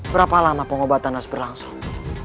berapa lama pengobatan harus berlangsung